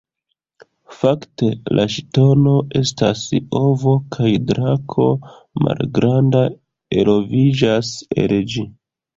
Fakte la ŝtono estas ovo kaj drako malgranda eloviĝas el ĝi.